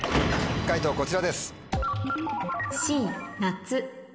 解答こちらです。